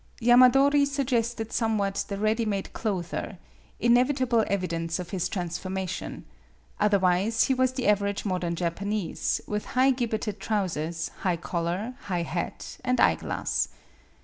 Yamadori suggested somewhat the ready made clothier inevitable evidence of his transformation ; otherwise he was the aver age modern Japanese, with high gibbeted trousers, high collar, high hat, and eye glass.